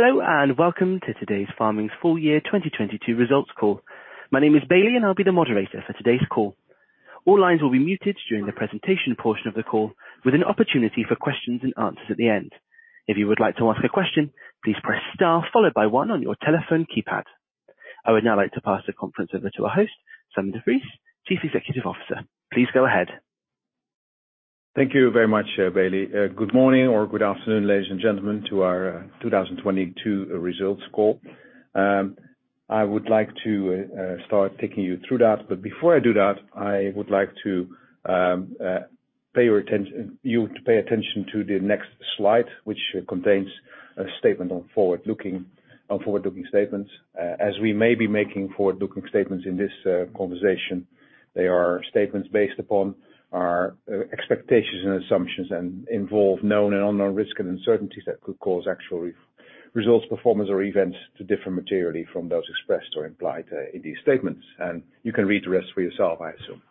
Hello, welcome to today's Pharming's full year 2022 results call. My name is Bailey, and I'll be the moderator for today's call. All lines will be muted during the presentation portion of the call, with an opportunity for questions and answers at the end. If you would like to ask a question, please press star followed by one on your telephone keypad. I would now like to pass the conference over to our host, Sijmen de Vries, Chief Executive Officer. Please go ahead. Thank you very much, Bailey. Good morning or good afternoon, ladies and gentlemen, to our 2022 results call. I would like to start taking you through that, but before I do that, I would like to pay attention to the next slide, which contains a statement on forward-looking statements. As we may be making forward-looking statements in this conversation, they are statements based upon our expectations and assumptions and involve known and unknown risk and uncertainties that could cause actual results, performance or events to differ materially from those expressed or implied in these statements. You can read the rest for yourself, I assume.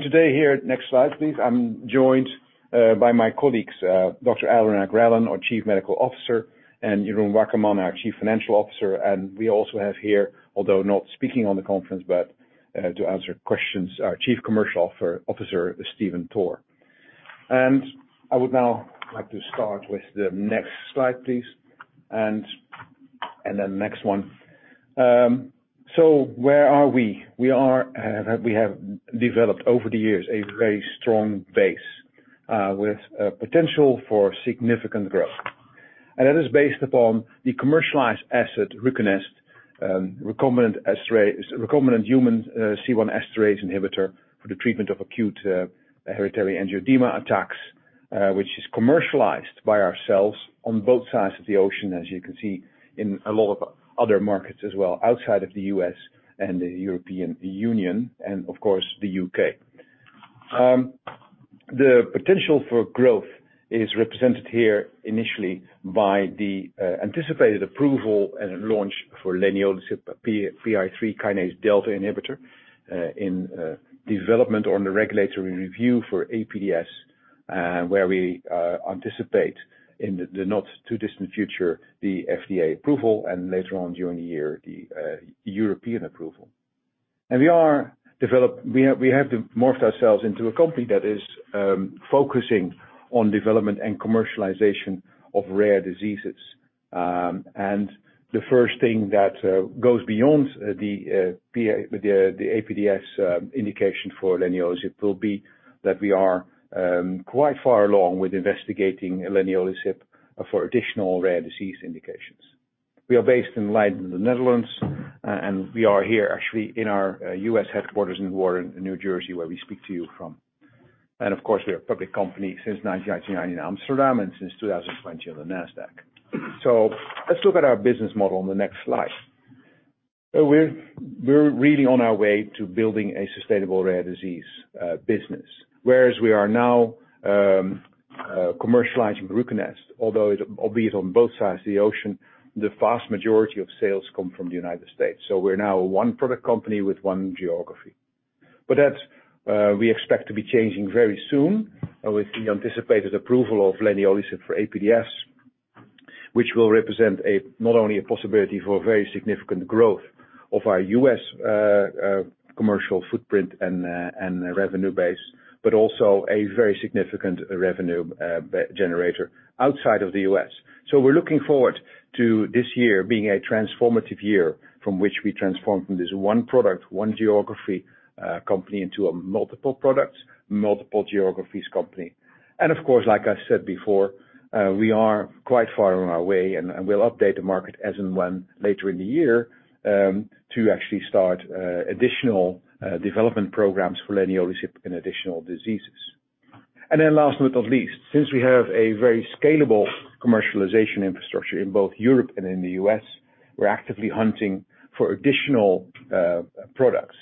Today here, next slide, please. I'm joined by my colleagues, Dr. Anurag Relan, our Chief Medical Officer, and Jeroen Wakkerman, our Chief Financial Officer. We also have here, although not speaking on the conference, but to answer questions, our Chief Commercial Officer, Stephen Toor. I would now like to start with the next slide, please. Then next one. Where are we? We are, we have developed over the years a very strong base with a potential for significant growth. That is based upon the commercialized asset, Ruconest, recombinant human C1 esterase inhibitor for the treatment of acute hereditary angioedema attacks, which is commercialized by ourselves on both sides of the ocean, as you can see in a lot of other markets as well outside of the U.S. and the European Union and of course, the U.K. The potential for growth is represented here initially by the anticipated approval and launch for leniolisib PI3 kinase delta inhibitor in development or in the regulatory review for APDS, where we anticipate in the not-too-distant future, the FDA approval and later on during the year, the European approval. We have morphed ourselves into a company that is focusing on development and commercialization of rare diseases. The first thing that goes beyond the APDS indication for leniolisib will be that we are quite far along with investigating leniolisib for additional rare disease indications. We are based in Leiden, in the Netherlands, and we are here actually in our U.S. headquarters in Warren, New Jersey, where we speak to you from. Of course, we're a public company since 1999 in Amsterdam and since 2020 on the Nasdaq. Let's look at our business model on the next slide. We're really on our way to building a sustainable rare disease business, whereas we are now commercializing Ruconest. Albeit on both sides of the ocean, the vast majority of sales come from the United States. We're now a one-product company with one geography. That we expect to be changing very soon with the anticipated approval of leniolisib for APDS, which will represent a, not only a possibility for very significant growth of our U.S. commercial footprint and revenue base, but also a very significant revenue generator outside of the U.S. We're looking forward to this year being a transformative year from which we transform from this one product, one geography, company into a multiple products, multiple geographies company. Of course, like I said before, we are quite far on our way, and we'll update the market as and when later in the year, to actually start additional development programs for leniolisib in additional diseases. Last but not least, since we have a very scalable commercialization infrastructure in both Europe and in the U.S., we're actively hunting for additional products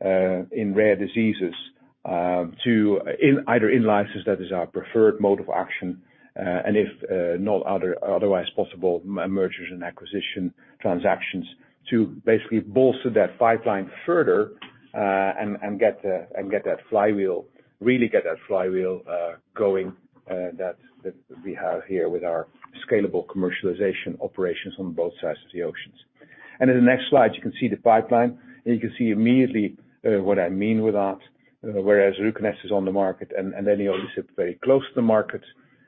in rare diseases, to. either in-license, that is our preferred mode of action, and if, not otherwise possible, mergers and acquisition transactions to basically bolster that pipeline further, and get, and get that flywheel, really get that flywheel, going, that we have here with our scalable commercialization operations on both sides of the oceans. In the next slide, you can see the pipeline and you can see immediately, what I mean with that, whereas Ruconest is on the market and leniolisib very close to the market.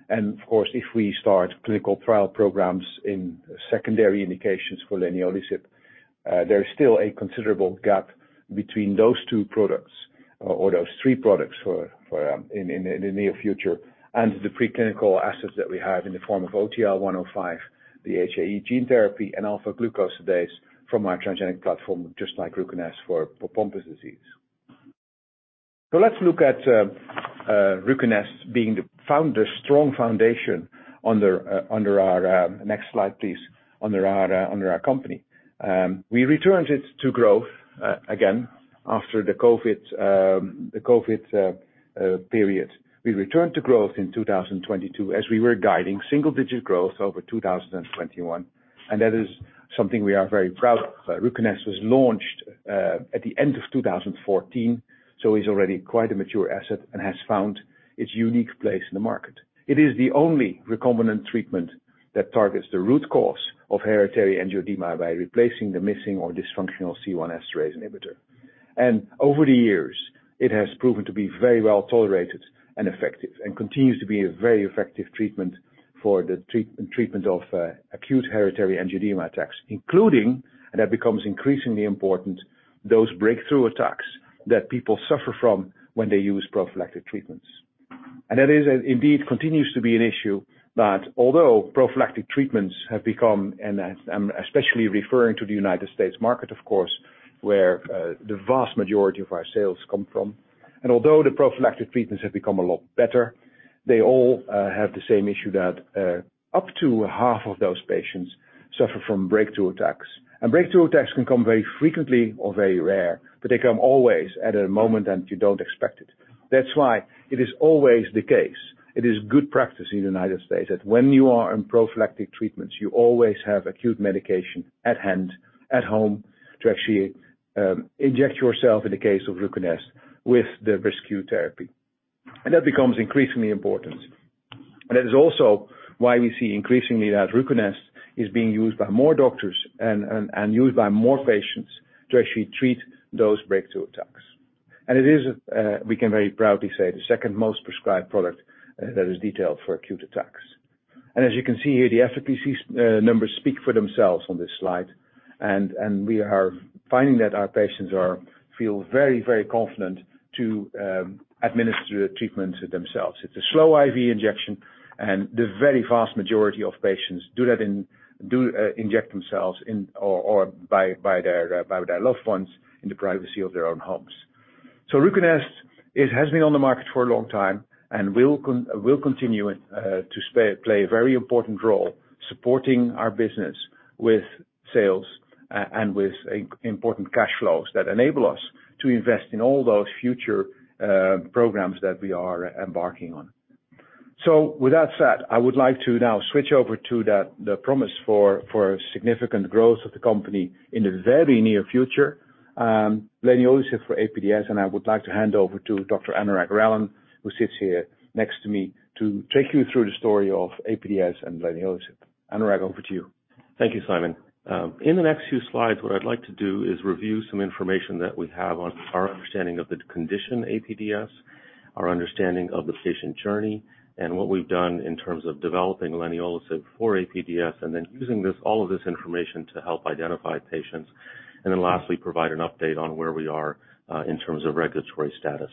Of course, if we start clinical trial programs in secondary indications for leniolisib, there is still a considerable gap between those two products or those three products for in the near future, and the preclinical assets that we have in the form of OTL-105, the HAE gene therapy and alpha-glucosidase from our transgenic platform, just like Ruconest for Pompe disease. Let's look at Ruconest being the founder, strong foundation under our. Next slide, please. Under our company. We returned it to growth again after the COVID period. We returned to growth in 2022 as we were guiding single-digit growth over 2021. That is something we are very proud of. Ruconest was launched, at the end of 2014, so is already quite a mature asset and has found its unique place in the market. It is the only recombinant treatment that targets the root cause of hereditary angioedema by replacing the missing or dysfunctional C1 esterase inhibitor. Over the years, it has proven to be very well-tolerated and effective, and continues to be a very effective treatment for the treatment of acute hereditary angioedema attacks, including, and that becomes increasingly important, those breakthrough attacks that people suffer from when they use prophylactic treatments. That is, indeed, continues to be an issue that although prophylactic treatments have become, especially referring to the United States market, of course, where, the vast majority of our sales come from. Although the prophylactic treatments have become a lot better, they all have the same issue that up to half of those patients suffer from breakthrough attacks. Breakthrough attacks can come very frequently or very rare, but they come always at a moment that you don't expect it. That's why it is always the case. It is good practice in the United States that when you are on prophylactic treatments, you always have acute medication at hand, at home to actually inject yourself in the case of Ruconest with the rescue therapy. That becomes increasingly important. That is also why we see increasingly that Ruconest is being used by more doctors and used by more patients to actually treat those breakthrough attacks. It is, we can very proudly say, the second most prescribed product that is detailed for acute attacks. As you can see here, the FPCC numbers speak for themselves on this slide. We are finding that our patients feel very confident to administer the treatment to themselves. It's a slow IV injection, and the very vast majority of patients inject themselves in or by their loved ones in the privacy of their own homes. Ruconest, it has been on the market for a long time and will continue to play a very important role supporting our business with sales and with important cash flows that enable us to invest in all those future programs that we are embarking on. With that said, I would like to now switch over to the promise for significant growth of the company in the very near future, leniolisib for APDS. I would like to hand over to Dr. Anurag Relan, who sits here next to me, to take you through the story of APDS and leniolisib. Anurag, over to you. Thank you, Sijmen. In the next few slides, what I'd like to do is review some information that we have on our understanding of the condition APDS, our understanding of the patient journey, and what we've done in terms of developing leniolizumab for APDS, and then using this, all of this information to help identify patients. Lastly, provide an update on where we are in terms of regulatory status.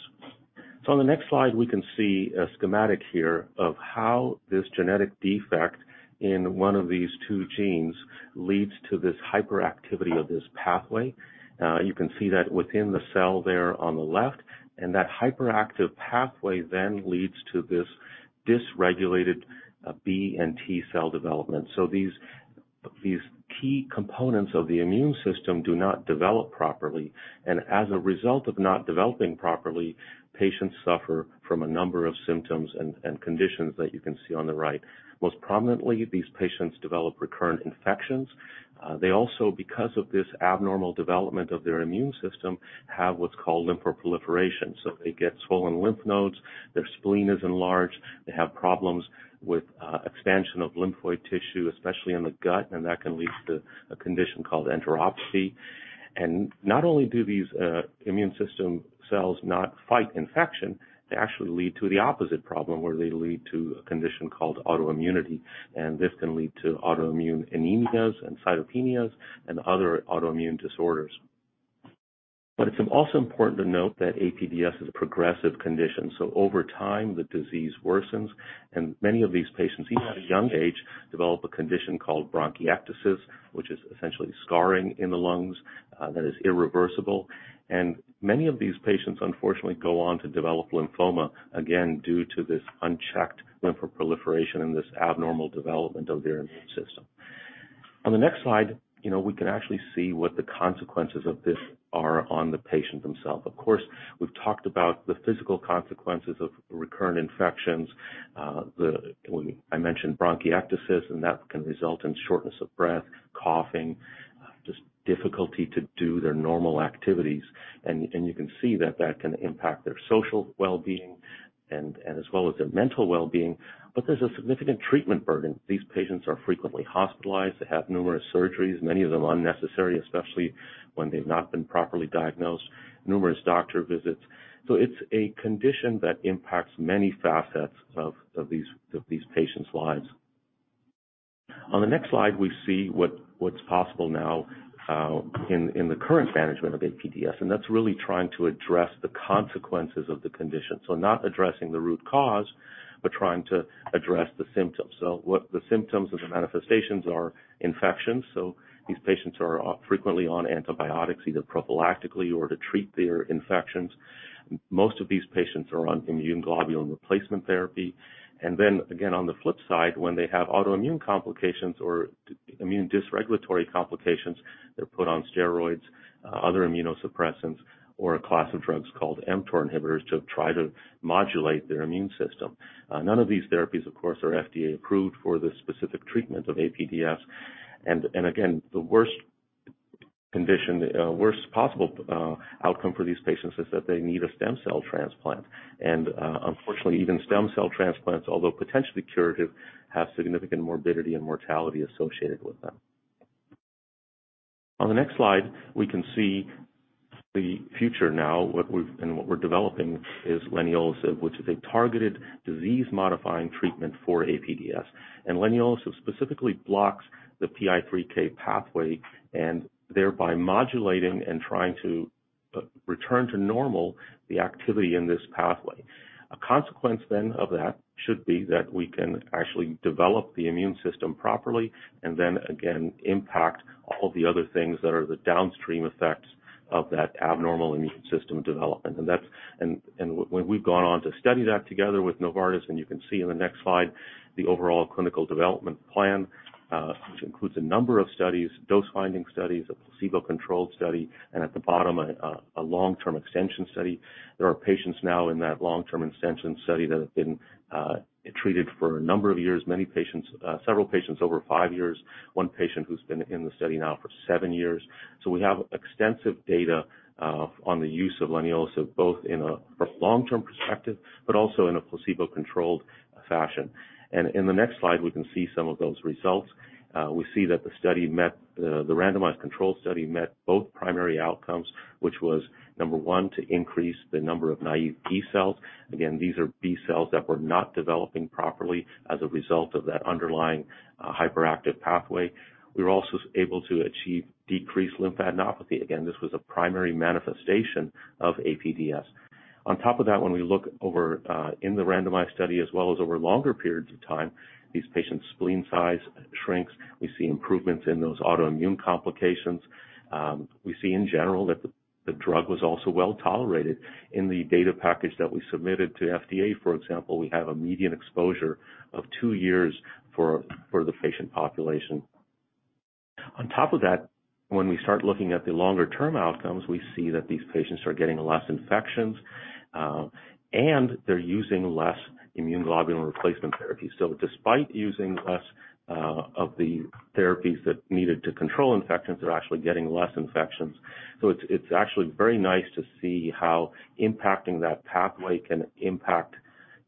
On the next slide, we can see a schematic here of how this genetic defect in one of these two genes leads to this hyperactivity of this pathway. You can see that within the cell there on the left, and that hyperactive pathway then leads to this dysregulated B and T cell development. These key components of the immune system do not develop properly, and as a result of not developing properly, patients suffer from a number of symptoms and conditions that you can see on the right. Most prominently, these patients develop recurrent infections. They also, because of this abnormal development of their immune system, have what's called lymphoproliferation. They get swollen lymph nodes, their spleen is enlarged, they have problems with expansion of lymphoid tissue, especially in the gut, and that can lead to a condition called enteropathy. Not only do these immune system cells not fight infection, they actually lead to the opposite problem, where they lead to a condition called autoimmunity, and this can lead to autoimmune anemias and cytopenias and other autoimmune disorders. It's also important to note that APDS is a progressive condition, so over time, the disease worsens, and many of these patients, even at a young age, develop a condition called bronchiectasis, which is essentially scarring in the lungs that is irreversible. Many of these patients, unfortunately, go on to develop lymphoma, again, due to this unchecked lymphoproliferation and this abnormal development of their immune system. On the next slide, you know, we can actually see what the consequences of this are on the patient themselves. Of course, we've talked about the physical consequences of recurrent infections. I mentioned bronchiectasis, and that can result in shortness of breath, coughing, just difficulty to do their normal activities. You can see that that can impact their social well-being and as well as their mental well-being, there's a significant treatment burden. These patients are frequently hospitalized. They have numerous surgeries, many of them unnecessary, especially when they've not been properly diagnosed. Numerous doctor visits. It's a condition that impacts many facets of these patients' lives. On the next slide, we see what's possible now in the current management of APDS, and that's really trying to address the consequences of the condition. Not addressing the root cause, but trying to address the symptoms. What the symptoms or the manifestations are infections. These patients are frequently on antibiotics, either prophylactically or to treat their infections. Most of these patients are on immunoglobulin replacement therapy. On the flip side, when they have autoimmune complications or immune dysregulatory complications, they're put on steroids, other immunosuppressants or a class of drugs called mTOR inhibitors to try to modulate their immune system. None of these therapies, of course, are FDA approved for the specific treatment of APDS. The worst condition, worst possible outcome for these patients is that they need a stem cell transplant. Unfortunately, even stem cell transplants, although potentially curative, have significant morbidity and mortality associated with them. On the next slide, we can see the future now, what we're developing is leniolisib, which is a targeted disease-modifying treatment for APDS. Leniolisib specifically blocks the PI3K pathway and thereby modulating and trying to return to normal the activity in this pathway. A consequence of that should be that we can actually develop the immune system properly and then again, impact all the other things that are the downstream effects of that abnormal immune system development. When we've gone on to study that together with Novartis, and you can see in the next slide the overall clinical development plan, which includes a number of studies, dose-finding studies, a placebo-controlled study, and at the bottom, a long-term extension study. There are patients now in that long-term extension study that have been treated for a number of years, many patients, several patients over 5 years, one patient who's been in the study now for 7 years. We have extensive data on the use of leniolisib, both in a long-term perspective, but also in a placebo-controlled fashion. In the next slide, we can see some of those results. The randomized control study met both primary outcomes, which was number one, to increase the number of naive B cells. Again, these are B cells that were not developing properly as a result of that underlying, hyperactive pathway. We were also able to achieve decreased lymphadenopathy. Again, this was a primary manifestation of APDS. On top of that, when we look over, in the randomized study, as well as over longer periods of time, these patients' spleen size shrinks. We see improvements in those autoimmune complications. We see in general that the drug was also well-tolerated. In the data package that we submitted to FDA, for example, we have a median exposure of two years for the patient population. When we start looking at the longer-term outcomes, we see that these patients are getting less infections, and they're using less immunoglobulin replacement therapy. Despite using less of the therapies that are needed to control infections, they're actually getting less infections. It's, it's actually very nice to see how impacting that pathway can impact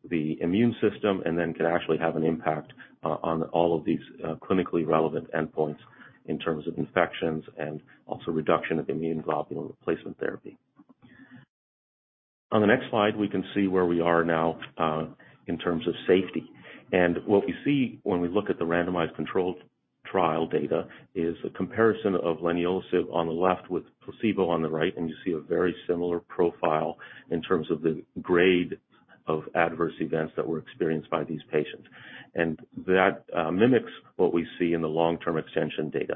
the immune system and then can actually have an impact on all of these clinically relevant endpoints in terms of infections and also reduction of immunoglobulin replacement therapy. On the next slide, we can see where we are now in terms of safety. What we see when we look at the randomized controlled trial data is a comparison of Leniolisib on the left with placebo on the right, and you see a very similar profile in terms of the grade of adverse events that were experienced by these patients. That mimics what we see in the long-term extension data.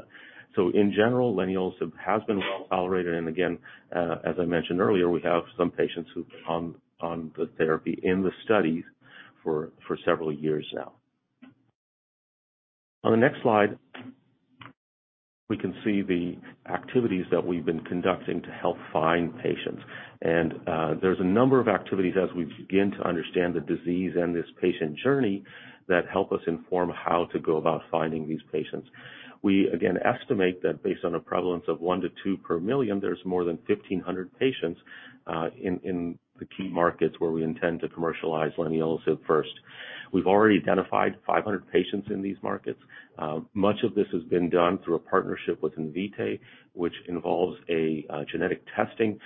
In general, Leniolisib has been well-tolerated. Again, as I mentioned earlier, we have some patients who've been on the therapy in the studies for several years now. On the next slide, we can see the activities that we've been conducting to help find patients. There's a number of activities as we begin to understand the disease and this patient journey that help us inform how to go about finding these patients. We, again, estimate that based on a prevalence of 1-2 per million, there's more than 1,500 patients in the key markets where we intend to commercialize leniolisib first. We've already identified 500 patients in these markets. Much of this has been done through a partnership with Invitae, which involves a genetic testing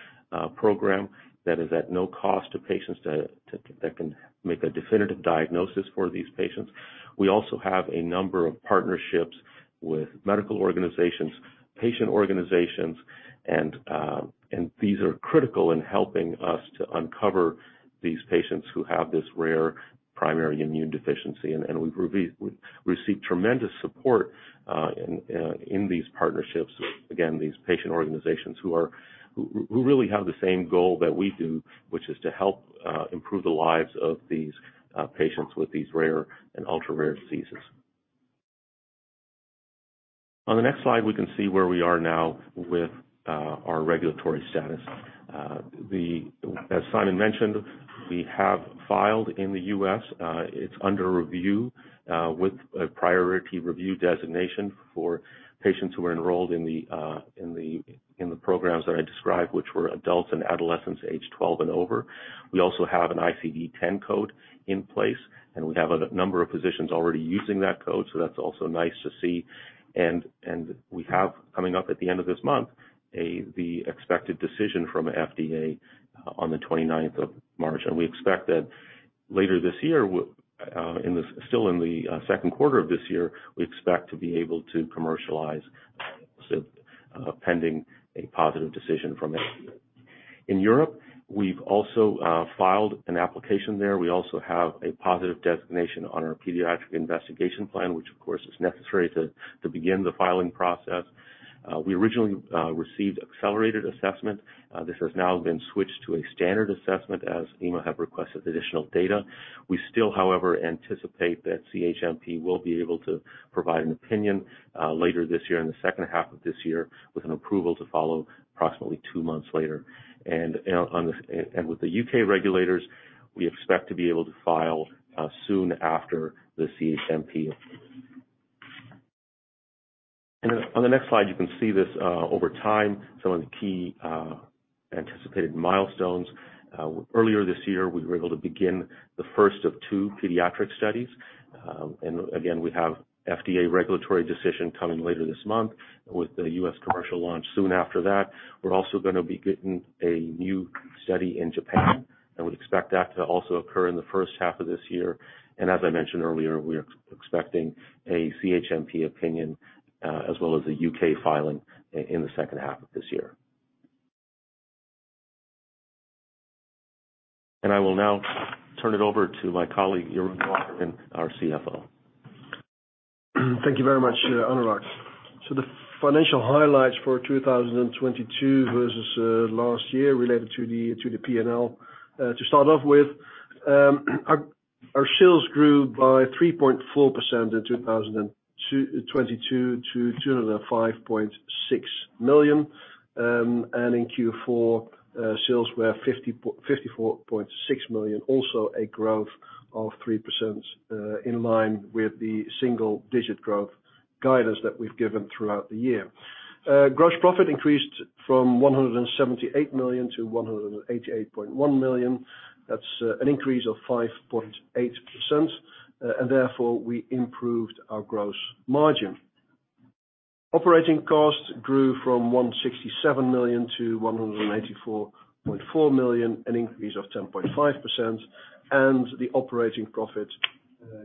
program that is at no cost to patients to that can make a definitive diagnosis for these patients. We also have a number of partnerships with medical organizations, patient organizations, and these are critical in helping us to uncover these patients who have this rare primary immunodeficiency. We receive tremendous support in these partnerships. Again, these patient organizations who are, who really have the same goal that we do, which is to help improve the lives of these patients with these rare and ultra-rare diseases. On the next slide, we can see where we are now with our regulatory status. As Sijmen mentioned, we have filed in the U.S., it's under review with a priority review designation for patients who are enrolled in the programs that I described, which were adults and adolescents age 12 and over. We also have an ICD-10 code in place, and we have a number of physicians already using that code, so that's also nice to see. We have coming up at the end of this month, the expected decision from FDA on the 29th of March. We expect that later this year, still in the second quarter of this year, we expect to be able to commercialize, pending a positive decision from FDA. In Europe, we've also filed an application there. We also have a positive designation on our paediatric investigation plan, which of course is necessary to begin the filing process. We originally received accelerated assessment. This has now been switched to a standard assessment as EMA have requested additional data. We still, however, anticipate that CHMP will be able to provide an opinion later this year, in the H2 of this year, with an approval to follow approximately two months later. With the U.K. regulators, we expect to be able to file soon after the CHMP. On the next slide, you can see this over time, some of the key anticipated milestones. Earlier this year, we were able to begin the first of two pediatric studies. Again, we have FDA regulatory decision coming later this month with the U.S. commercial launch soon after that. We're also gonna be getting a new study in Japan, and we expect that to also occur in the H1 of this year. As I mentioned earlier, we are expecting a CHMP opinion, as well as a U.K. filing in the second half of this year. I will now turn it over to my colleague, Jeroen Wakkerman, our CFO. Thank you very much, Anurag. The financial highlights for 2022 versus last year related to the P&L. To start off with, our sales grew by 3.4% in 2022 to 205.6 million. In Q4, sales were 54.6 million, also a growth of 3%, in line with the single digit growth guidance that we've given throughout the year. Gross profit increased from 178 million to 188.1 million. That's an increase of 5.8%. Therefore, we improved our gross margin. Operating costs grew from 167 million to 184.4 million, an increase of 10.5%. The operating profit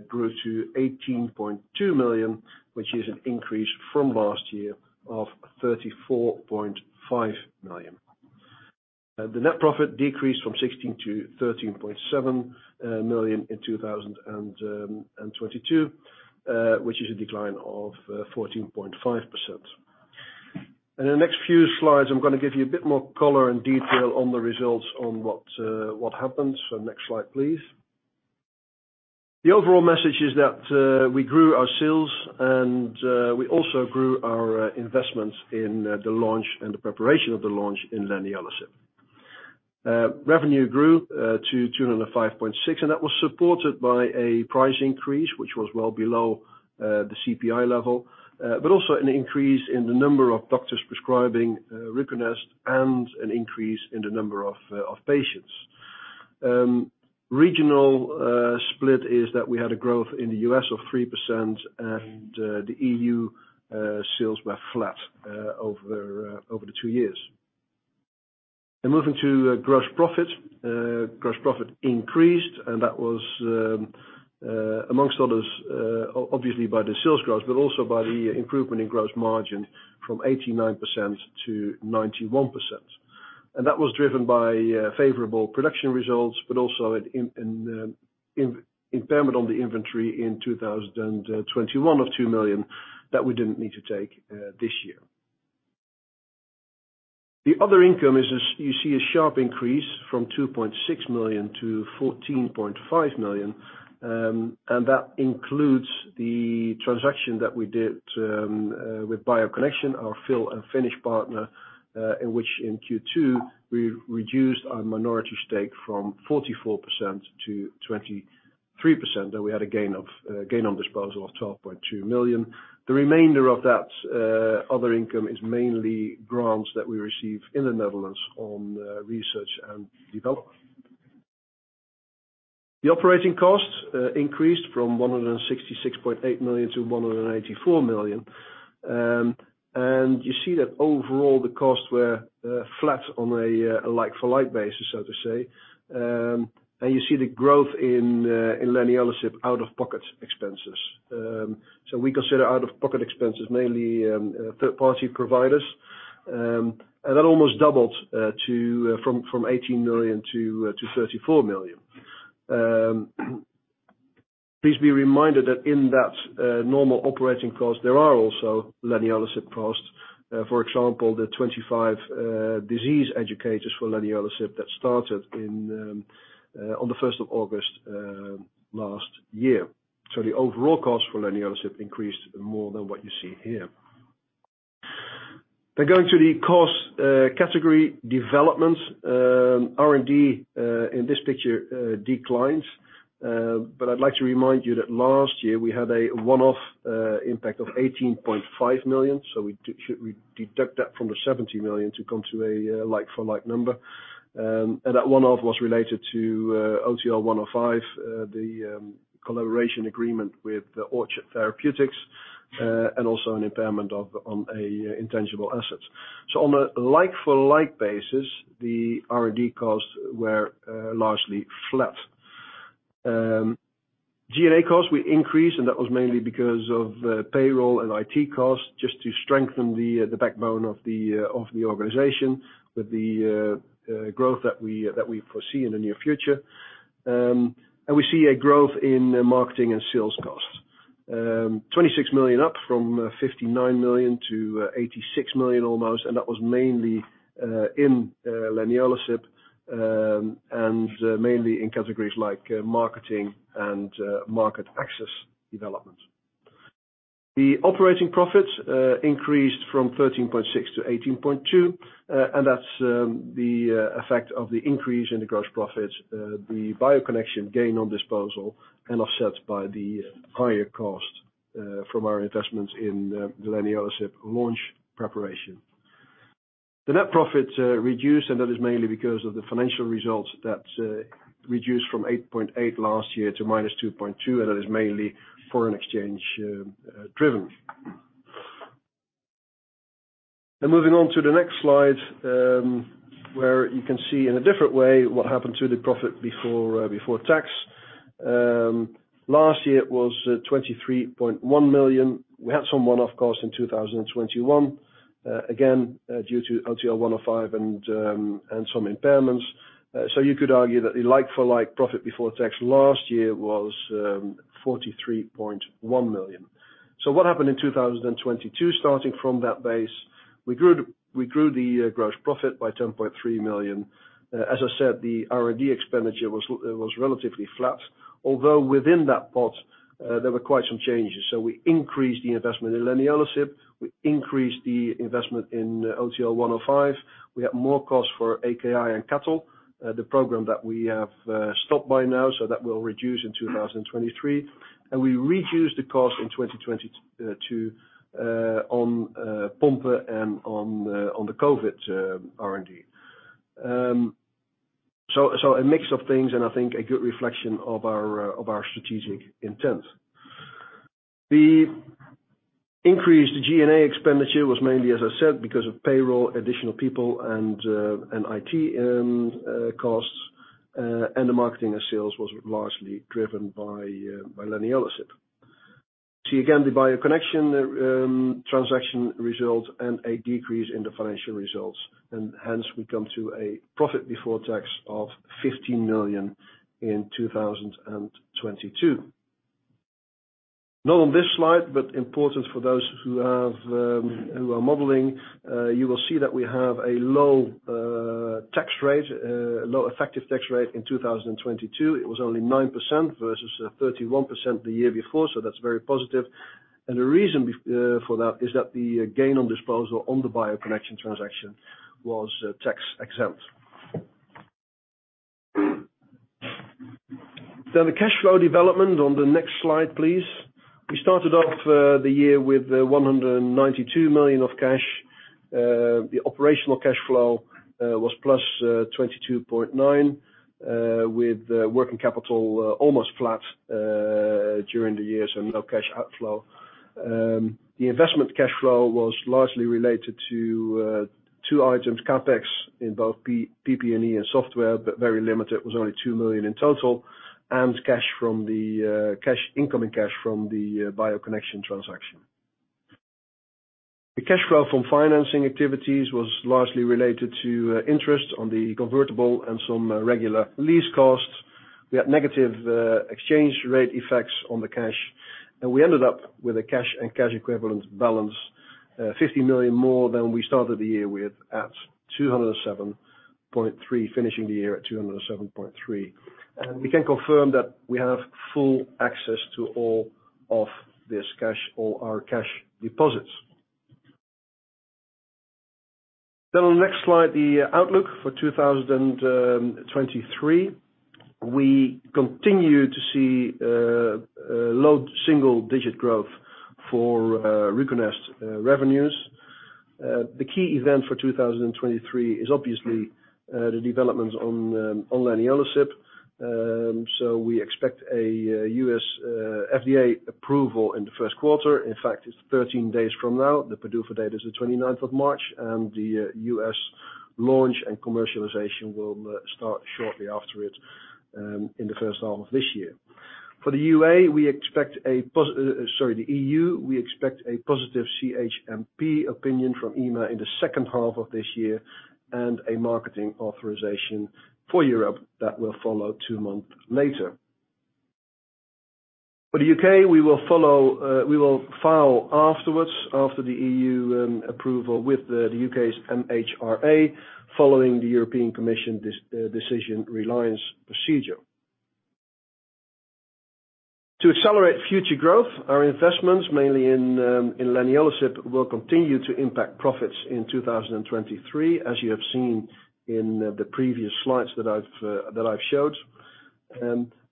grew to 18.2 million, which is an increase from last year of 34.5 million. The net profit decreased from 16 million to 13.7 million in 2022, which is a decline of 14.5%. In the next few slides, I'm gonna give you a bit more color and detail on the results on what happened. Next slide, please. The overall message is that we grew our sales and we also grew our investments in the launch and the preparation of the launch in leniolisib. Revenue grew to 205.6. That was supported by a price increase, which was well below the CPI level, also an increase in the number of doctors prescribing Ruconest and an increase in the number of patients. Regional split is that we had a growth in the US of 3%. The EU sales were flat over the two years. Moving to gross profit. Gross profit increased. That was amongst others obviously by the sales growth, also by the improvement in gross margin from 89%-91%. That was driven by favorable production results, but also an impairment on the inventory in 2021 of 2 million that we didn't need to take this year. The other income is you see a sharp increase from 2.6 million-14.5 million, and that includes the transaction that we did with BioConnection, our fill and finish partner, in which in Q2, we reduced our minority stake from 44%-23%, and we had a gain of gain on disposal of 12.2 million. The remainder of that other income is mainly grants that we receive in the Netherlands on research and development. The operating costs increased from 166.8 million-184 million. You see that overall the costs were flat on a like for like basis, so to say. You see the growth in leniolisib out-of-pocket expenses. We consider out-of-pocket expenses mainly third-party providers. That almost doubled to from 18 million-34 million. Please be reminded that in that normal operating cost, there are also leniolisib costs. For example, the 25 disease educators for leniolisib that started on the 1st of August last year. The overall cost for leniolisib increased more than what you see here. Going to the cost category developments. R&D in this picture declines. I'd like to remind you that last year we had a one-off impact of 18.5 million. We should we deduct that from the 70 million to come to a like for like number. That one-off was related to OTL-105, the collaboration agreement with Orchard Therapeutics, and also an impairment of, on a intangible assets. On a like for like basis, the R&D costs were largely flat. G&A costs, we increased, that was mainly because of payroll and IT costs, just to strengthen the backbone of the organization with the growth that we foresee in the near future. We see a growth in marketing and sales costs. 26 million up from 59 million-86 million almost, and that was mainly in leniolisib, and mainly in categories like marketing and market access development. The operating profits increased from 13.6-18.2, and that's the effect of the increase in the gross profits, the BioConnection gain on disposal and offset by the higher cost from our investments in the leniolisib launch preparation. The net profit reduced, and that is mainly because of the financial results that reduced from 8.8 last year to -2.2, and that is mainly foreign exchange driven. Moving on to the next slide, where you can see in a different way what happened to the profit before tax. Last year it was 23.1 million. We had some one-off costs in 2021, again, due to OTL-105 and some impairments. You could argue that the like-for-like profit before tax last year was 43.1 million. What happened in 2022, starting from that base? We grew the gross profit by 10.3 million. As I said, the R&D expenditure was relatively flat. Although within that pot, there were quite some changes. We increased the investment in leniolisib, we increased the investment in OTL-105. We had more costs for AKI and Cattle, the program that we have stopped by now, so that will reduce in 2023. We reduced the cost in 2020 on Pompe and on the COVID R&D. So a mix of things, and I think a good reflection of our strategic intent. The increased G&A expenditure was mainly, as I said, because of payroll, additional people and IT costs, and the marketing and sales was largely driven by leniolisib. See again, the BioConnection transaction result and a decrease in the financial results. Hence we come to a profit before tax of 15 million in 2022. Not on this slide, but important for those who have, who are modeling, you will see that we have a low tax rate, low effective tax rate in 2022. It was only 9% versus 31% the year before. That's very positive. The reason for that is that the gain on disposal on the BioConnection transaction was tax-exempt. The cash flow development on the next slide, please. We started off the year with 192 million of cash. The operational cash flow was +22.9, with working capital almost flat during the year, no cash outflow. The investment cash flow was largely related to two items, CapEx in both PP&E and software, but very limited, was only 2 million in total, and incoming cash from the BioConnection transaction. The cash flow from financing activities was largely related to interest on the convertible and some regular lease costs. We had negative exchange rate effects on the cash, we ended up with a cash and cash equivalent balance, $50 million more than we started the year with at $207.3, finishing the year at $207.3. We can confirm that we have full access to all of this cash or our cash deposits. On the next slide, the outlook for 2023. We continue to see low single-digit growth for Ruconest revenues. The key event for 2023 is obviously the developments on leniolisib. So we expect a U.S. FDA approval in the first quarter. In fact, it's 13 days from now. The PDUFA date is the 29th of March. The U.S. launch and commercialization will start shortly after it in the first half of this year. For the EU, we expect a positive CHMP opinion from EMA in the second half of this year and a marketing authorization for Europe that will follow two months later. For the UK, we will file afterwards, after the EU approval with the UK's MHRA, following the European Commission Decision Reliance Procedure. To accelerate future growth, our investments, mainly in leniolisib, will continue to impact profits in 2023, as you have seen in the previous slides that I've showed.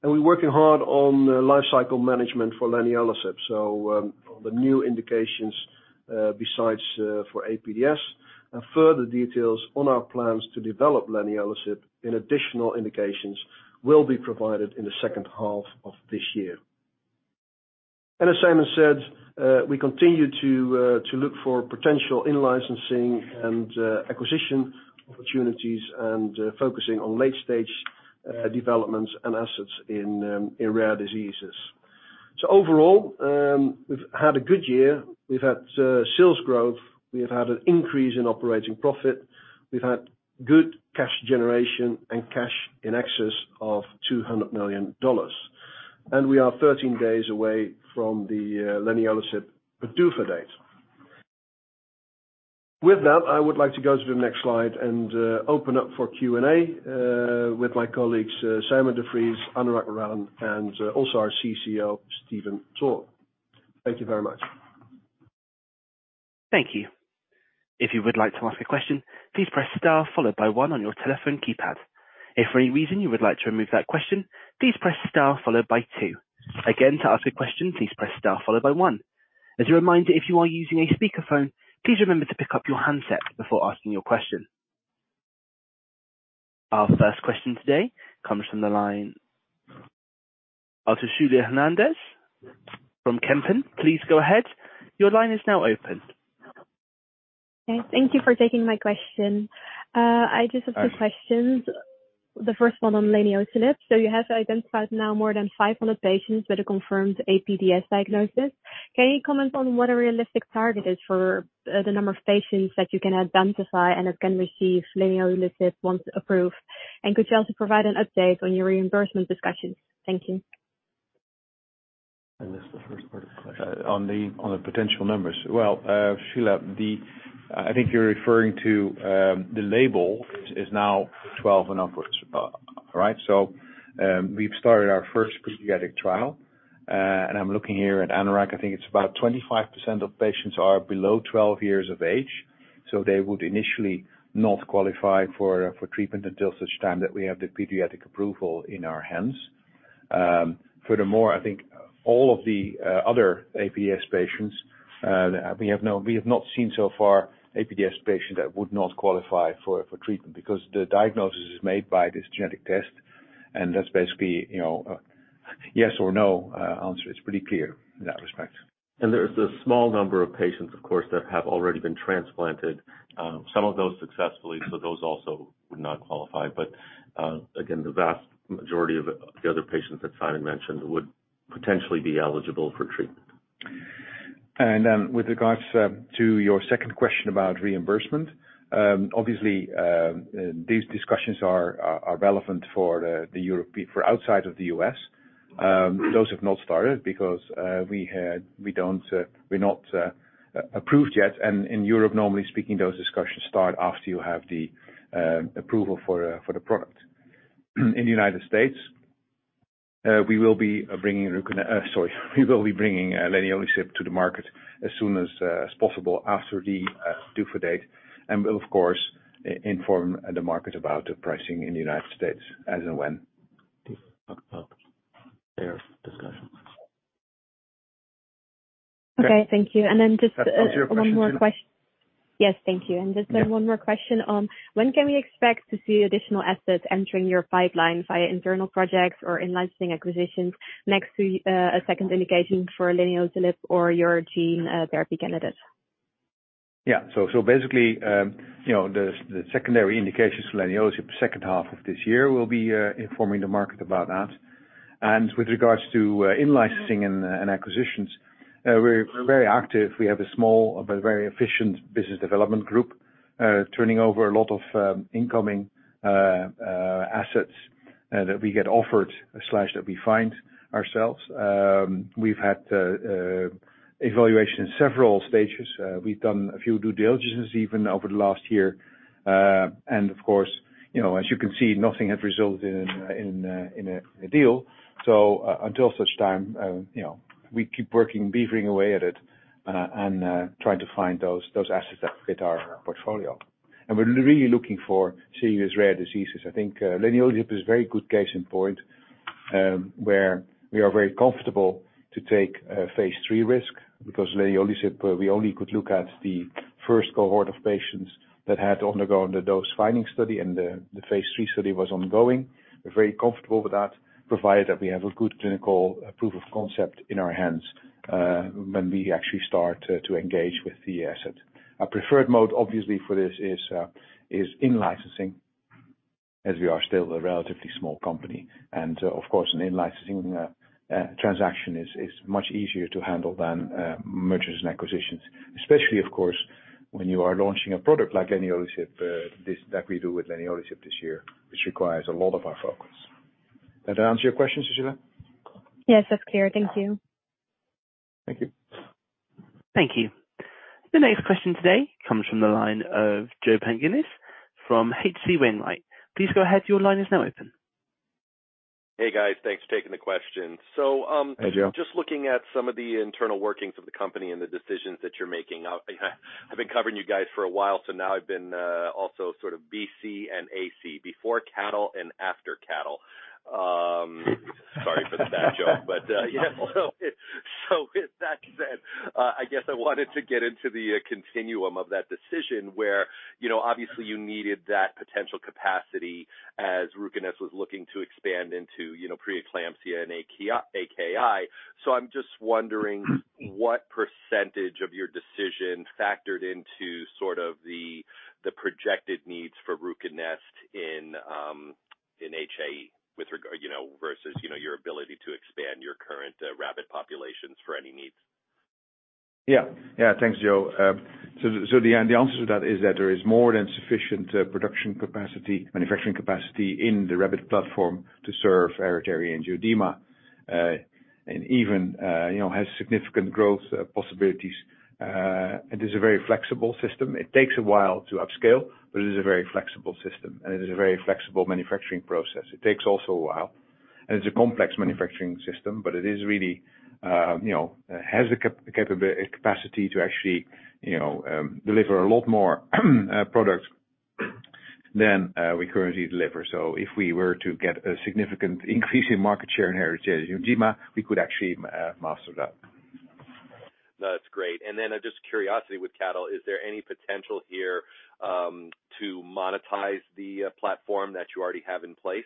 We're working hard on the lifecycle management for leniolisib. The new indications, besides for APDS and further details on our plans to develop leniolisib in additional indications will be provided in the second half of this year. As Sijmen said, we continue to look for potential in-licensing and acquisition opportunities and focusing on late-stage developments and assets in rare diseases. Overall, we've had a good year. We've had sales growth, we have had an increase in operating profit. We've had good cash generation and cash in excess of $200 million. We are 13 days away from the leniolisib PDUFA date. With that, I would like to go to the next slide and open up for Q&A with my colleagues, Sijmen de Vries, Anurag Relan, and also our CCO, Stephen Toor. Thank you very much. Thank you. If you would like to ask a question, please press star followed by one on your telephone keypad. If for any reason you would like to remove that question, please press star followed by two. Again, to ask a question, please press star followed by one. As a reminder, if you are using a speakerphone, please remember to pick up your handset before asking your question. Our first question today comes from the line of Sushila Hernandez from Kempen. Please go ahead. Your line is now open. Okay. Thank you for taking my question. I just have two questions. The first one on leniolisib. You have identified now more than 500 patients with a confirmed APDS diagnosis. Can you comment on what a realistic target is for the number of patients that you can identify and that can receive leniolisib once approved? Could you also provide an update on your reimbursement discussions? Thank you. I missed the first part of the question. On the potential numbers. Well, Sushila, I think you're referring to, the label is now 12 and upwards. Right. We've started our first pediatric trial, and I'm looking here at Anurag. I think it's about 25% of patients are below 12 years of age, so they would initially not qualify for treatment until such time that we have the pediatric approval in our hands. Furthermore, I think all of the other APDS patients, we have not seen so far APDS patient that would not qualify for treatment because the diagnosis is made by this genetic test, and that's basically, you know, a yes or no answer. It's pretty clear in that respect. There is a small number of patients, of course, that have already been transplanted, some of those successfully, so those also would not qualify. Again, the vast majority of the other patients that Sijmen mentioned would potentially be eligible for treatment. With regards to your second question about reimbursement, obviously, these discussions are relevant for outside of the U.S. Those have not started because we don't we're not approved yet. In Europe, normally speaking, those discussions start after you have the approval for for the product. In the United States, we will be bringing leniolisib to the market as soon as possible after the PDUFA date. We'll, of course, inform the market about the pricing in the United States as and when. Talk about their discussions. Okay, thank you. Was that all your questions, Sushila? Yes, thank you. Just then one more question. When can we expect to see additional assets entering your pipeline via internal projects or in-licensing acquisitions next to a second indication for leniolisib or your gene therapy candidates? Yeah. Basically, you know, the secondary indications for leniolisib, second half of this year, we'll be informing the market about that. With regards to in-licensing and acquisitions, we're very active. We have a small but very efficient business development group, turning over a lot of incoming assets that we get offered/that we find ourselves. We've had evaluation in several stages. We've done a few due diligences even over the last year. Of course, you know, as you can see, nothing has resulted in a deal. Until such time, you know, we keep working, beavering away at it, and trying to find those assets that fit our portfolio. We're really looking for serious rare diseases. I think leniolisib is a very good case in point, where we are very comfortable to take a phase III risk because leniolisib, we only could look at the first cohort of patients that had undergone the dose-finding study and the phase III study was ongoing. We're very comfortable with that, provided that we have a good clinical proof of concept in our hands, when we actually start to engage with the asset. Our preferred mode, obviously, for this is in-licensing, as we are still a relatively small company. Of course, an in-licensing transaction is much easier to handle than mergers and acquisitions, especially, of course, when you are launching a product like leniolisib, that we do with leniolisib this year, which requires a lot of our focus. Does that answer your question, Sushila? Yes, that's clear. Thank you. Thank you. Thank you. The next question today comes from the line of Joseph Pantginis from H.C. Wainwright. Please go ahead. Your line is now open. Hey, guys. Thanks for taking the question. Hey, Joe. Just looking at some of the internal workings of the company and the decisions that you're making. I've been covering you guys for a while, so now I've been also sort of BC and AC, before cattle and after cattle. Sorry for the bad joke. Yeah, with that said, I guess I wanted to get into the continuum of that decision where, you know, obviously you needed that potential capacity as Ruconest was looking to expand into, you know, pre-eclampsia and AKI. I'm just wondering what percentage of your decision factored into sort of the projected needs for Ruconest in HAE with regard, you know, versus, you know, your ability to expand your current rabbit populations for any needs. Thanks, Joe. The answer to that is that there is more than sufficient production capacity, manufacturing capacity in the rabbit platform to serve hereditary angioedema, and even, you know, has significant growth possibilities. It is a very flexible system. It takes a while to upscale, but it is a very flexible system, and it is a very flexible manufacturing process. It takes also a while, and it's a complex manufacturing system, but it is really, you know, has the capacity to actually, you know, deliver a lot more products than we currently deliver. If we were to get a significant increase in market share in hereditary angioedema, we could actually master that. That's great. Just curiosity with cattle, is there any potential here to monetize the platform that you already have in place?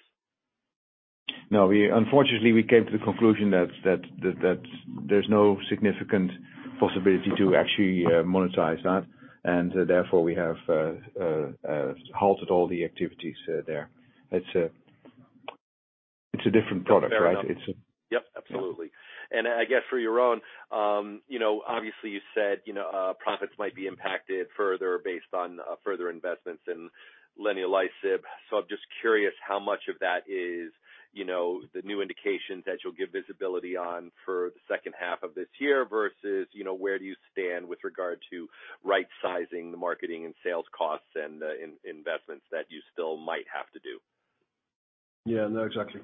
No. Unfortunately, we came to the conclusion that there's no significant possibility to actually monetize that, and therefore, we have halted all the activities there. It's a different product, right? Fair enough. Yep, absolutely. I guess for Jeroen, you know, obviously you said, you know, profits might be impacted further based on further investments in leniolisib. I'm just curious how much of that is, you know, the new indications that you'll give visibility on for the second half of this year versus, you know, where do you stand with regard to right sizing the marketing and sales costs and the in-investments that you still might have to do. Yeah. No, exactly.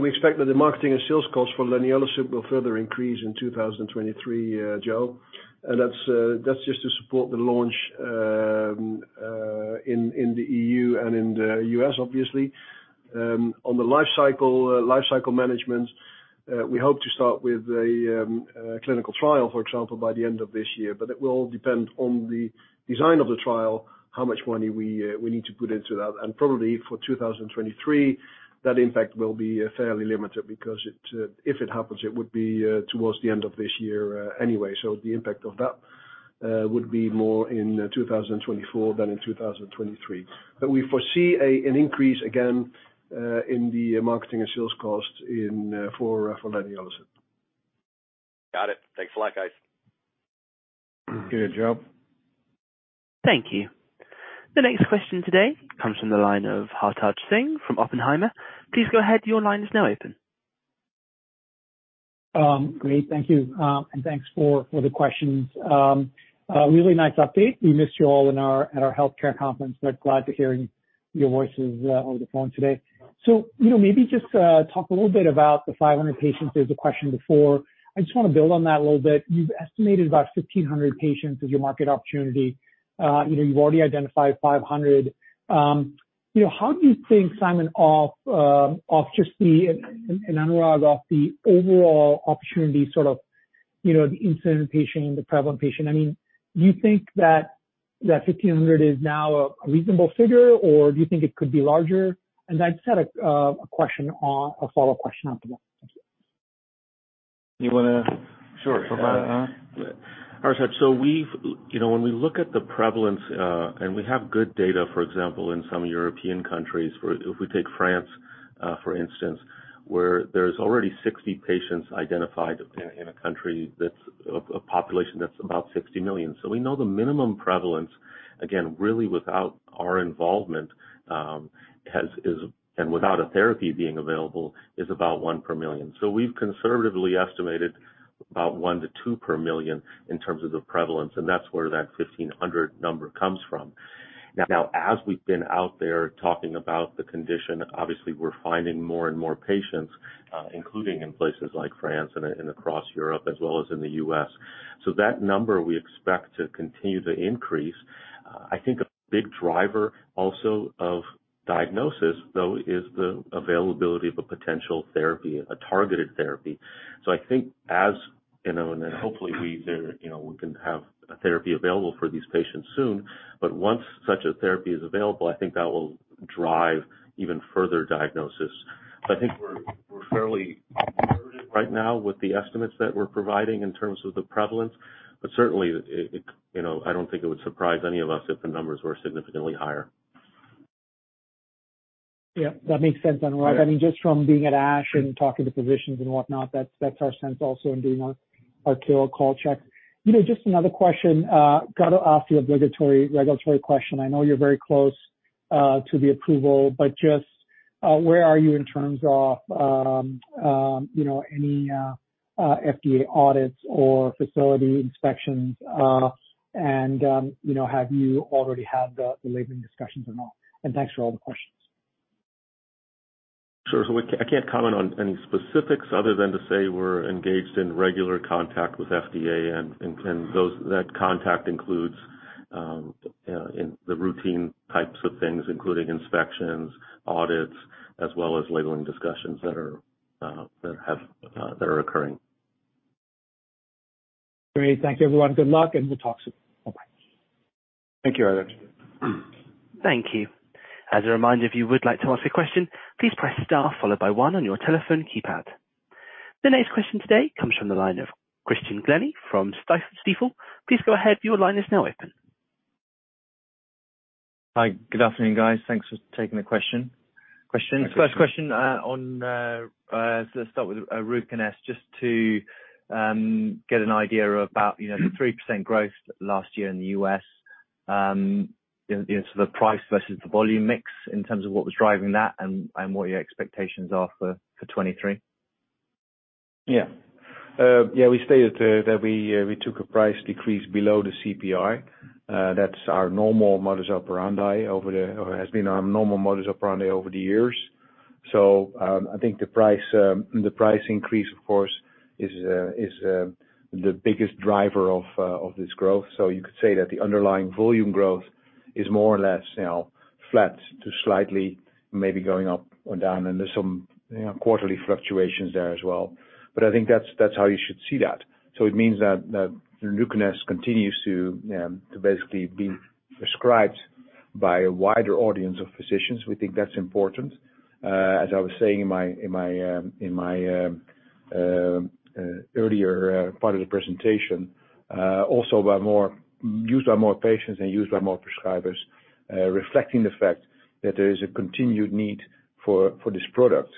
We expect that the marketing and sales cost for leniolisib will further increase in 2023, Joe. That's just to support the launch in the EU and in the U.S. obviously. On the life cycle management, we hope to start with a clinical trial, for example, by the end of this year. It will all depend on the design of the trial, how much money we need to put into that. Probably for 2023, that impact will be fairly limited because if it happens, it would be towards the end of this year anyway. The impact of that would be more in 2024 than in 2023.We foresee an increase again, in the marketing and sales cost in, for leniolisib. Got it. Thanks a lot, guys. Good. Joe. Thank you. The next question today comes from the line of Hartaj Singh from Oppenheimer. Please go ahead. Your line is now open. Great. Thank you. Thanks for the questions. A really nice update. We missed you all in our, at our healthcare conference, but glad to hearing your voices over the phone today. You know, maybe just talk a little bit about the 500 patients. There was a question before. I just wanna build on that a little bit. You've estimated about 1,500 patients as your market opportunity. You know, you've already identified 500. How do you think, Sijmen, of just the... and Anurag, of the overall opportunity, sort of, you know, the incident patient and the prevalent patient. I mean, do you think that that 1,500 is now a reasonable figure, or do you think it could be larger? I just had a question on, a follow-up question after that. Thank you. When we look at the prevalence, and we have good data, for example, in some European countries, if we take France, for instance, where there's already 60 patients identified in a country that's a population that's about 60 million. We know the minimum prevalence, again, really without our involvement, is, and without a therapy being available, is about 1 per million. We've conservatively estimated about 1 to 2 per million in terms of the prevalence, and that's where that 1,500 number comes from. Now, as we've been out there talking about the condition, obviously we're finding more and more patients, including in places like France and across Europe as well as in the U.S. That number we expect to continue to increase. I think a big driver also of diagnosis though is the availability of a potential therapy, a targeted therapy. I think as, you know, and then hopefully we there, you know, we can have a therapy available for these patients soon, but once such a therapy is available, I think that will drive even further diagnosis. I think we're fairly right now with the estimates that we're providing in terms of the prevalence. Certainly, it, you know, I don't think it would surprise any of us if the numbers were significantly higher. Yeah, that makes sense, Anurag. I mean, just from being at ASH and talking to physicians and whatnot, that's our sense also in doing our call checks. You know, just another question. Gotta ask the obligatory regulatory question. I know you're very close to the approval, but just where are you in terms of, you know, any FDA audits or facility inspections? You know, have you already had the labeling discussions and all? Thanks for all the questions. Sure. I can't comment on any specifics other than to say we're engaged in regular contact with FDA and those, that contact includes in the routine types of things, including inspections, audits, as well as labeling discussions that are that have that are occurring. Great. Thank you, everyone. Good luck, and we'll talk soon. Bye. Thank you, Hartaj. Thank you. As a reminder, if you would like to ask a question, please press star followed by one on your telephone keypad. The next question today comes from the line of Christian Glennie from Stifel. Please go ahead. Your line is now open. Hi. Good afternoon, guys. Thanks for taking the question. Thanks, Christian. First question, on Ruconest, just to get an idea about, you know, the 3% growth last year in the U.S. You know, the price versus the volume mix in terms of what was driving that and what your expectations are for 2023? Yeah, we stated that we took a price decrease below the CPI. That's our normal modus operandi, or has been our normal modus operandi over the years. I think the price increase, of course, is the biggest driver of this growth. You could say that the underlying volume growth is more or less now flat to slightly maybe going up or down, and there's some quarterly fluctuations there as well. I think that's how you should see that. It means that Ruconest continues to basically be prescribed by a wider audience of physicians. We think that's important. As I was saying in my earlier part of the presentation. Used by more patients and used by more prescribers, reflecting the fact that there is a continued need for this product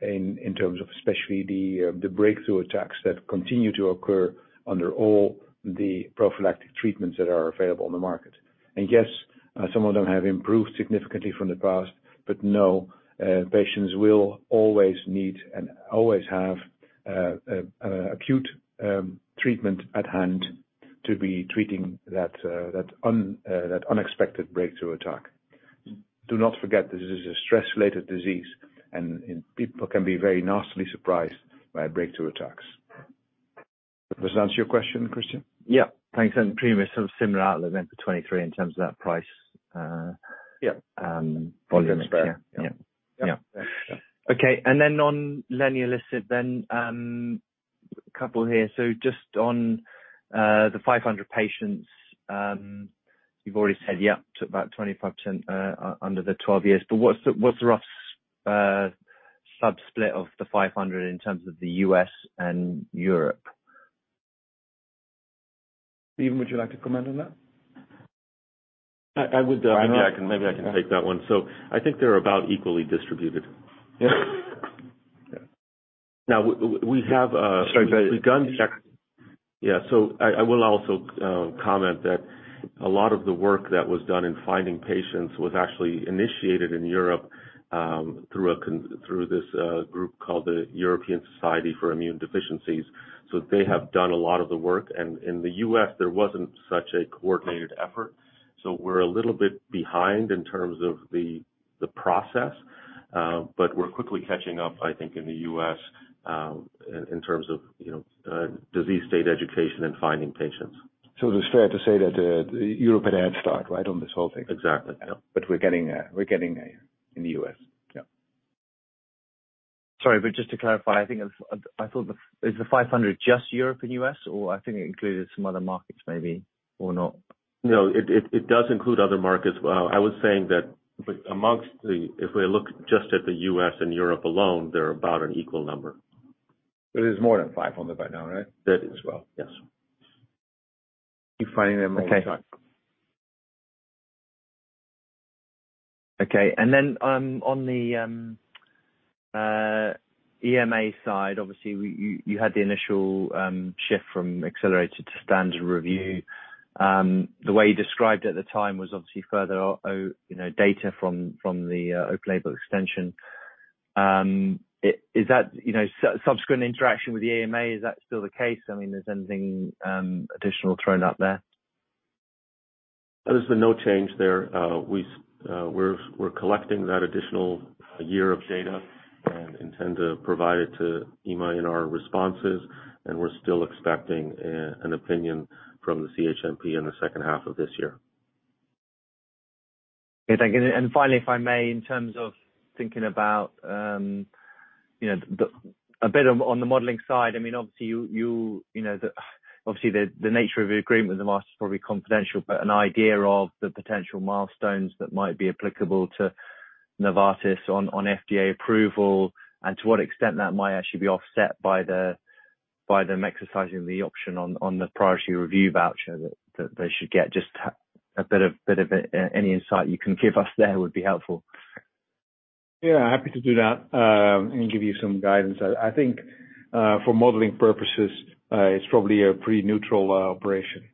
in terms of especially the breakthrough attacks that continue to occur under all the prophylactic treatments that are available on the market. Yes, some of them have improved significantly from the past, but no, patients will always need and always have acute treatment at hand to be treating that unexpected breakthrough attack. Do not forget this is a stress-related disease and people can be very nastily surprised by breakthrough attacks. Does that answer your question, Christian? Yeah. Thanks. Previous sort of similar outlet then for 2023 in terms of that price. Volume mix. Yeah. Okay. Then on lenolisib then, couple here. Just on the 500 patients, you've already said yeah, to about 25% under the 12 years. What's the rough sub-split of the 500 in terms of the U.S. and Europe? Stephen, would you like to comment on that? I would. Yeah, maybe I can take that one. I think they're about equally distributed. We've done check. Yeah. I will also comment that a lot of the work that was done in finding patients was actually initiated in Europe, through this group called the European Society for Immunodeficiencies. They have done a lot of the work. In the U.S., there wasn't such a coordinated effort, so we're a little bit behind in terms of the process, but we're quickly catching up, I think, in the U.S., in terms of, you know, disease state education and finding patients. It is fair to say that, Europe had head start, right, on this whole thing? Exactly. We're getting, we're getting there in the U.S. Yeah. Sorry, just to clarify, I think I thought, Is the 500 just Europe and U.S., or I think it included some other markets maybe or not? No, it does include other markets. Well, I was saying that amongst the. If we look just at the U.S., and Europe alone, they're about an equal number. It is more than 500 by now, right? That as well, yes. Keep finding them all the time. Okay. Then, on the EMA side, obviously we, you had the initial shift from accelerated to standard review. The way you described at the time was obviously further, you know, data from the open label extension. You know, subsequent interaction with the EMA, is that still the case? I mean, is anything additional thrown out there? There's been no change there. We're collecting that additional year of data and intend to provide it to EMA in our responses. We're still expecting an opinion from the CHMP in the second half of this year. Okay, thank you. Finally, if I may, in terms of thinking about, you know, a bit of on the modeling side, I mean, obviously you know, obviously the nature of the agreement with Novartis is probably confidential, but an idea of the potential milestones that might be applicable to Novartis on FDA approval and to what extent that might actually be offset by them exercising the option on the priority review voucher that they should get. Just a bit of any insight you can give us there would be helpful. Yeah, happy to do that, and give you some guidance. I think, for modeling purposes, it's probably a pretty neutral operation.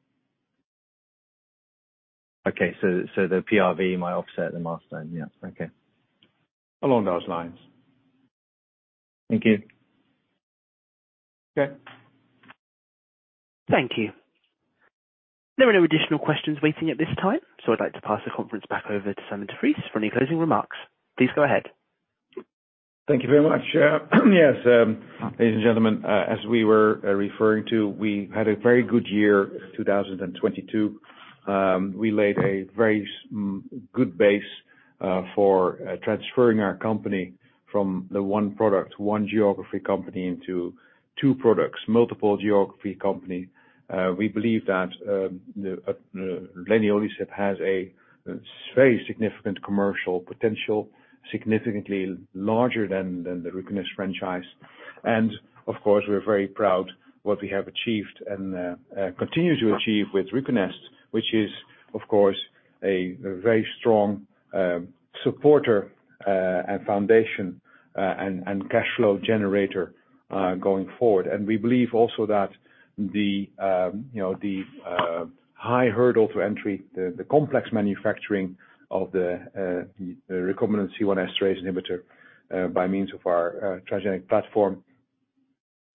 Okay. The PRV might offset the milestone. Yeah. Okay. Along those lines. Thank you. Okay. Thank you. There are no additional questions waiting at this time, so I'd like to pass the conference back over to Sijmen de Vries for any closing remarks. Please go ahead. Thank you very much. Yes, ladies and gentlemen, as we were referring to, we had a very good year, 2022. We laid a very good base for transferring our company from the one product, one geography company into two products, multiple geography company. We believe that the leniolisib has a very significant commercial potential, significantly larger than the Ruconest franchise. Of course, we're very proud what we have achieved and continue to achieve with Ruconest, which is, of course, a very strong supporter, and foundation, and cash flow generator going forward. We believe also that the, you know, the high hurdle to entry, the complex manufacturing of the recombinant C1 esterase inhibitor, by means of our transgenic platform,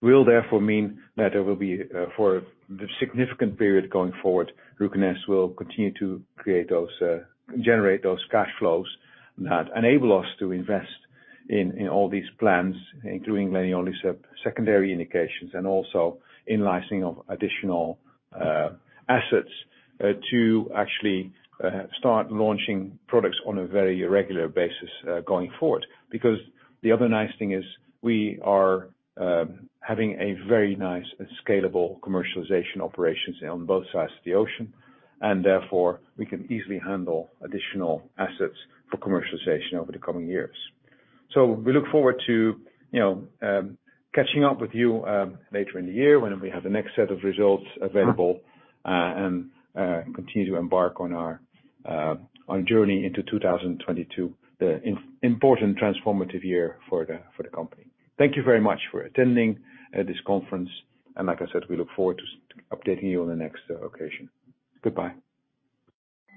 will therefore mean that there will be, for the significant period going forward, Ruconest will continue to create those, generate those cash flows that enable us to invest in all these plans, including leniolisib secondary indications and also in licensing of additional assets, to actually start launching products on a very regular basis, going forward. The other nice thing is we are, having a very nice scalable commercialization operations on both sides of the ocean, and therefore, we can easily handle additional assets for commercialization over the coming years. We look forward to, you know, catching up with you later in the year when we have the next set of results available, and continue to embark on our journey into 2022, the important transformative year for the company. Thank you very much for attending this conference. Like I said, we look forward to updating you on the next occasion. Goodbye.